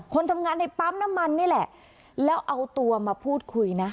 คนทำงานในปั๊มน้ำมันนี่แหละแล้วเอาตัวมาพูดคุยนะ